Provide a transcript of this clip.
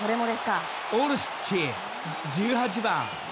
オルシッチ、１８番！